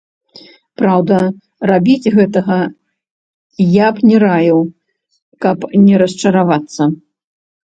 Праўда, рабіць гэтага я б не раіў, каб не расчаравацца.